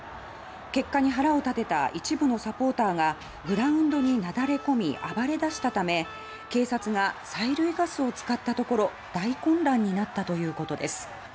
結果に腹を立てた一部のサポーターがグラウンドになだれ込み暴れ出したため警察が催涙ガスを使ったところ大混乱になったということです。